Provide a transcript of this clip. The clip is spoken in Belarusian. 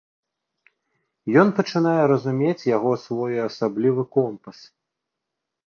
Ён пачынае разумець яго своеасаблівы компас.